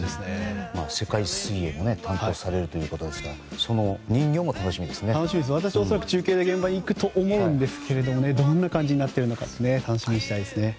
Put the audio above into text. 世界水泳も開催されるということですが私、恐らく中継で現場に行くと思うんですがどんな感じになってるのか楽しみです。